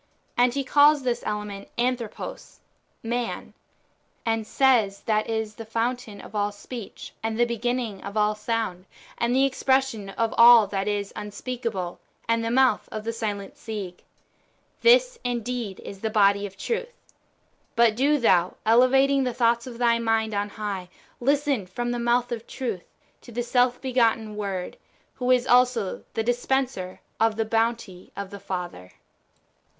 And he calls this element Anthropos (^lan), and says that is the fountain of all speech, and the beginning of all sound, and the expression of all that is unspeakable, and the mouth of the silent Sige. This indeed is the body of Truth. But do thou, elevating the thoughts of thy mind on high, listen from the mouth of Truth to the self begotten Word, who is also the dispenser of the bounty of the Father.